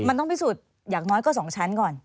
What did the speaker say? มันต้องพิสูจน์อย่างน้อยก็๒ชั้นก่อน